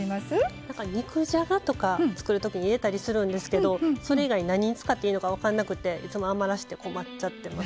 肉じゃがとか作るときに入れたりするんですけどそれ以外何に使っていいのか分かんなくていつも余らせて困っちゃってます。